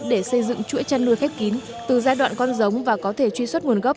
để xây dựng chuỗi chăn nuôi khép kín từ giai đoạn con giống và có thể truy xuất nguồn gốc